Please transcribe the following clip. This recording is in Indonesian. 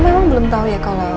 tapi kamu emang belum tahu ya kalau